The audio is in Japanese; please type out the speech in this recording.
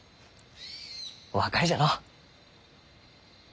お別れじゃのう。